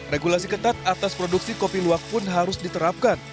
regulasi ketat atas produksi kopi luwak pun harus diterapkan